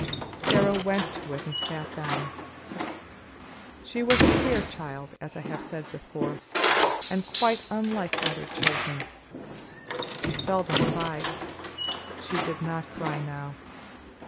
Sara went to it and sat down. She was a queer child, as I have said before, and quite unlike other children. She seldom cried. She did not cry now.